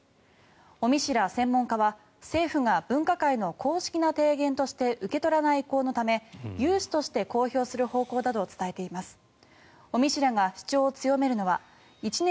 尾身氏ら専門家は政府が分科会の公式な提言として受け取らない意向のため有志として公表する意向だと伝えています。